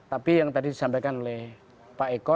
tapi yang tadi disampaikan oleh pak eko